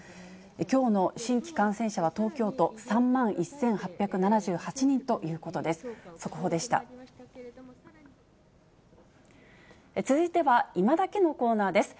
きょうの新規感染者は東京都、３万１８７８人ということです。